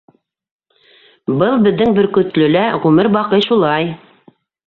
Был беҙҙең Бөркөтлөлә ғүмер баҡый шулай.